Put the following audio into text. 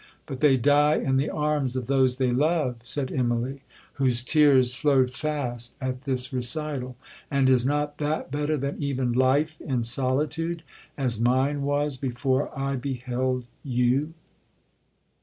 '—'But they die in the arms of those they love,' said Immalee, whose tears flowed fast at this recital; 'and is not that better than even life in solitude,—as mine was before I beheld you?'